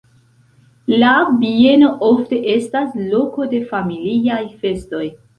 La bieno ofte estas loko de familiaj festoj.